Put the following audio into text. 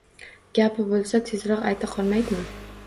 Gapi bo`lsa, tezroq ayta qolmaydimi